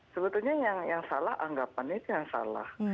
sebetulnya yang salah anggapannya itu yang salah